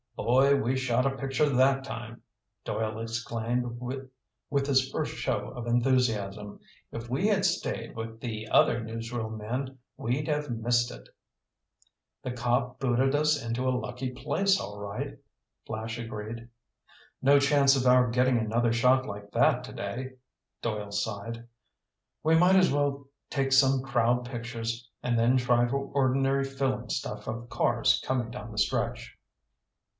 "Boy, we shot a picture that time!" Doyle exclaimed with his first show of enthusiasm. "If we had stayed with the other newsreel men, we'd have missed it!" "The cop booted us into a lucky place, all right," Flash agreed. "No chance of our getting another shot like that today," Doyle sighed. "We may as well take some crowd pictures and then try for ordinary fill in stuff of cars coming down the stretch."